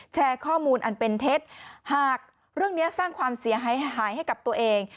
แชร์ข้อมูลอันเป็นเท็จหากเรื่องนี้สร้างความเสียหายหายให้กับตัวเอง